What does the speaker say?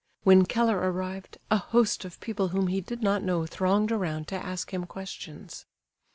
When Keller arrived, a host of people whom he did not know thronged around to ask him questions.